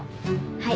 はい。